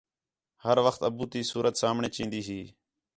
ہر وخت ابو تی صورت سامھݨے چین٘دی ہی